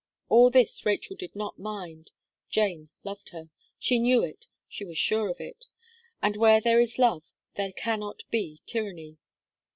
All this Rachel did not mind Jane loved her. She knew it, she was sure of it; and where there is love, there cannot be tyranny.